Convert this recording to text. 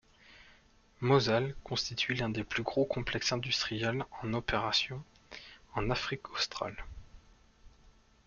Mozal constitue l’un des plus gros complexes industriels en opération en Afrique australe.